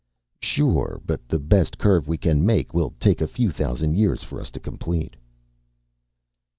"Sure, but the best curve we can make will take a few thousand years for us to complete."